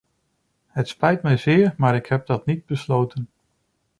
Het spijt me zeer, maar ik heb dat niet besloten.